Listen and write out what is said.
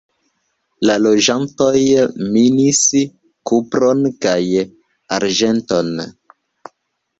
La loĝantoj minis kupron kaj arĝenton.